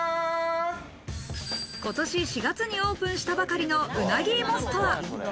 今年４月にオープンしたばかりの、うなぎいもストア。